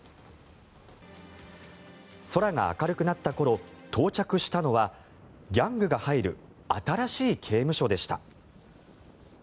空が明るくなった頃到着したのはギャングが入る新しい刑務所でした。